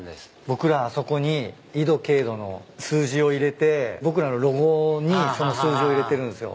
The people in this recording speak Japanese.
僕らあそこに緯度経度の数字を入れて僕らのロゴにその数字を入れてるんすよ。